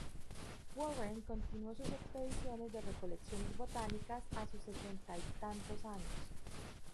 Warren continuó sus expediciones de recolecciones botánicas a sus sesenta y tantos.